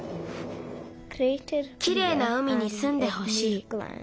きれいな海にすんでほしい。